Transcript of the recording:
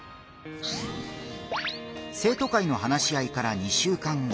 生徒会の話し合いから２週間後。